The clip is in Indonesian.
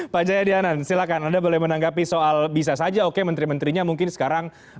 pak jayadi hanan silakan anda boleh menanggapi soal bisa saja oke menteri menterinya mungkin sekarang